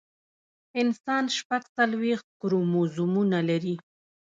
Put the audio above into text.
انسان شپږ څلوېښت کروموزومونه لري